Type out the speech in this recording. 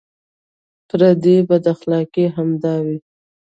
پردۍ بداخلاقۍ همدا وې.